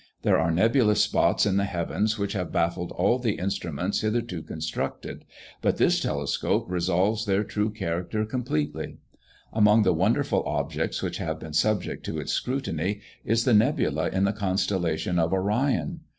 There are nebulous spots in the heavens which have baffled all the instruments hitherto constructed, but this telescope resolves their true character completely. Among the wonderful objects which have been subject to its scrutiny, is the nebula in the constellation of Orion.